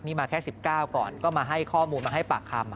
นี่มาแค่๑๙ก่อนก็มาให้ข้อมูลมาให้ปากคำ